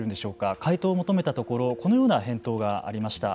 回答を求めたところこのような返答がありました。